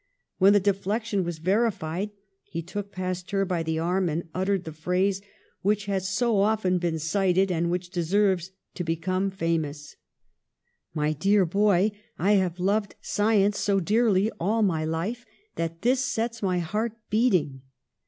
When the deflection was verified he took Pasteur by the arm and uttered the phrase which has so often been cited and which deserves to become famous: 'My dear boy, I have loved science so dearly all my life that this sets my heart beating